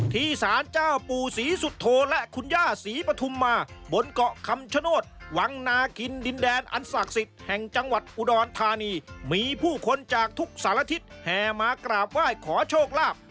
ที่สารเจ้าปู่ศรีสุโธและคุณย่าศรีปฐุมมาบนเกาะคำชโนธวังนากินดินแดนอันศักดิ์สิทธิ์แห่งจังหวัดอุดรธานีมีผู้คนจากทุกสารทิศแห่มากราบไหว้ขอโชคลาภ